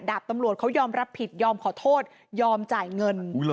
ดาบตำรวจเขายอมรับผิดยอมขอโทษยอมจ่ายเงิน